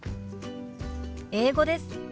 英語です。